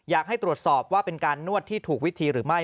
อยากให้ตรวจสอบว่าเป็นการนวดที่ถูกวิธีหรือไม่